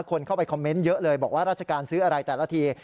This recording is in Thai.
คนเข้าไปคอมเมนต์เยอะเลยบอกว่าราชการซื้ออะไรแต่ละที